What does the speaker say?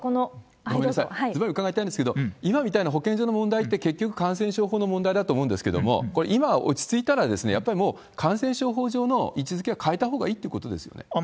ごめんなさい、ずばり伺いたいんですけども、今みたいな保健所の問題って、結局、感染症法の問題だと思うんですけれども、これ、今落ち着いたら、やっぱりもう感染症法上の位置づけは変えたほうがいいってことですよね？